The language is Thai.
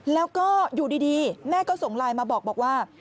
แล้วก็อยู่ดีแม่ก็ส่งไลน์มาบอกว่า